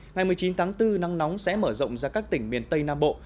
ngày một mươi chín tháng bốn nắng nóng sẽ mở rộng ra các tỉnh miền tây nam bộ